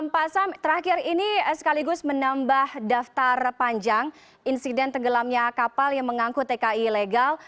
pak sam terakhir ini sekaligus menambah daftar panjang insiden tenggelamnya kapal yang mengangkut tki legal